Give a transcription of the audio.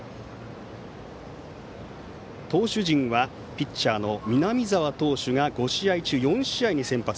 投手陣はピッチャーの南澤投手が５試合中４試合に先発。